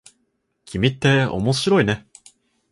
君って面白いね。